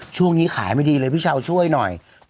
ช่วงนี้ขายไม่ดีเลยพี่เช้าช่วยหน่อย